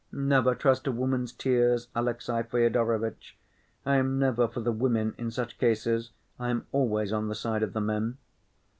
"Never trust a woman's tears, Alexey Fyodorovitch. I am never for the women in such cases. I am always on the side of the men."